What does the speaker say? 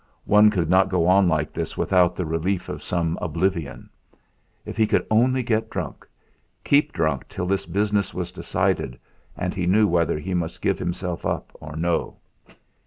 One could not go on like this without the relief of some oblivion. If he could only get drunk, keep drunk till this business was decided and he knew whether he must give himself up or no.